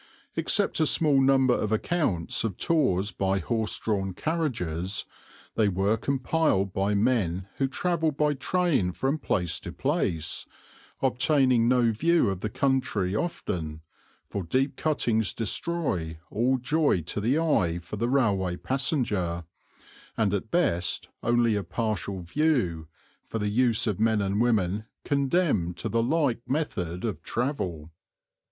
Except a small number of accounts of tours by horse drawn carriages, they were compiled by men who travelled by train from place to place, obtaining no view of the country often for deep cuttings destroy all joy of the eye for the railway passenger and at best only a partial view, for the use of men and women condemned to the like method of travel.